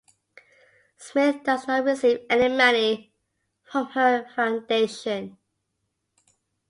Smith does not receive any money from her foundation.